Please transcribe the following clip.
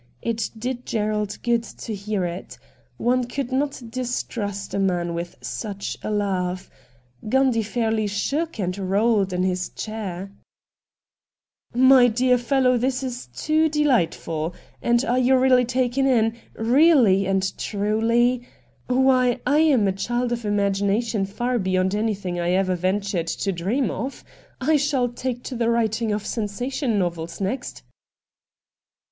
It did Gerald good to hear it. One could not distrust a man with such a laugh. Gundy fairly shook and rolled in his chair. AN INTERVIEW WITH MR RATT GUNDY 227 'My dear fellow, tliis is too delightful! And are you really taken in — really and truly? Why, I am a child of imagination far beyond anything I ever ventured to dream of. I shall take to the writing of sensation novels next.'